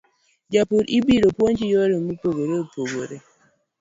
Jopur ibiro puonj yore mopogore